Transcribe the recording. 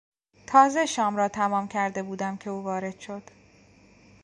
تازه شام را تمام کرده بودم که او وارد شد.